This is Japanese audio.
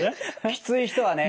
きつい人はね